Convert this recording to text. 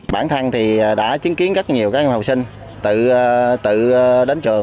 bản thân thì đã chứng kiến rất nhiều các học sinh tự đến trường